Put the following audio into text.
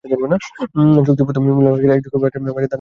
চুক্তিবদ্ধ মিল মালিকেরা একযোগে বাজারে ধান কিনতে নামায় দাম বেড়ে গেছে।